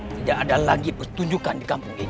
tidak ada lagi pertunjukan di kampung ini